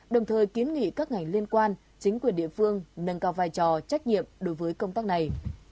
đồng thời kiến nghị các ngành liên quan chính quyền địa phương nâng cao vai trò trách nhiệm đối với công tác này